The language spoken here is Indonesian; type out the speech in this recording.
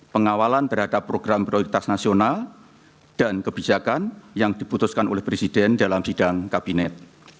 pengawalan terhadap program prioritas nasional dan kebijakan yang diputuskan oleh presiden dalam sidang kabinet